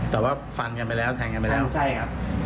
แต่ว่าฟันกันไปแล้วแทงกันไปแล้วใช่ครับ